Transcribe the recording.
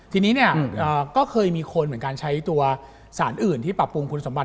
ทีนี้เนี่ยก็เคยมีคนเหมือนกันใช้ตัวสารอื่นที่ปรับปรุงคุณสมบัติ